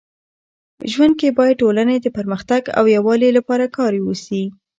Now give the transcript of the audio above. ژوند کي باید ټولني د پرمختګ او يووالي لپاره کار وسي.